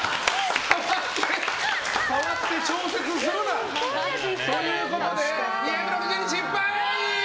触って調節するな！ということで２６２で失敗。